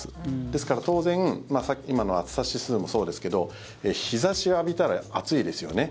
ですから、当然今の暑さ指数もそうですけど日差しを浴びたら暑いですよね。